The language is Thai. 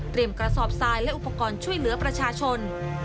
กระสอบทรายและอุปกรณ์ช่วยเหลือประชาชน